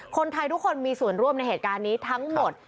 คนไทยทุกคนมีส่วนร่วมในเหตุการณ์นี้ทั้งหมด